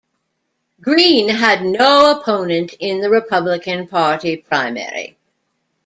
Green had no opponent in the Republican Party primary.